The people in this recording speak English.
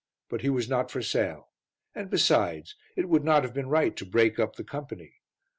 But he was not for sale; and, besides, it would not have been right to break up the company.